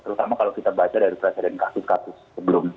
terutama kalau kita baca dari perasaan kasus kasus sebelum ini